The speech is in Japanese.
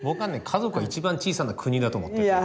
家族が一番小さな国だと思ってる。